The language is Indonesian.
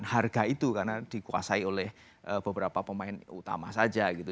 harga itu karena dikuasai oleh beberapa pemain utama saja gitu